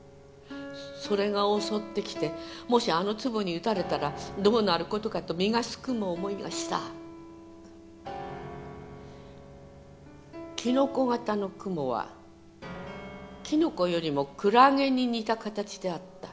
「それが襲ってきてもしあの粒に打たれたらどうなる事かと身がすくむ思いがした」「キノコ形の雲はキノコよりもクラゲに似た形であった」